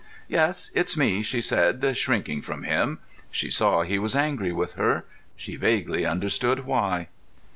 "Yes, it's me," she said, shrinking from him. She saw he was angry with her; she vaguely understood why.